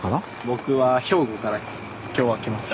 僕は兵庫から今日は来ました。